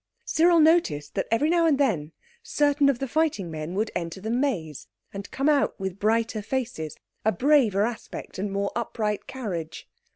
Cyril noticed that every now and then certain of the fighting men would enter the maze, and come out with brighter faces, a braver aspect, and a more upright carriage.